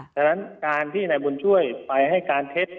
ฉะนั้นการที่นายบุญช่วยไปให้การเท็จ